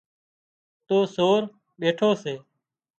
تو سور ٻيٺو سي